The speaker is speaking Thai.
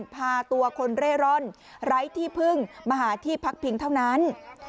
พาตัวคนเร่ร่อนไร้ที่พึ่งมาหาที่พักพิงเท่านั้น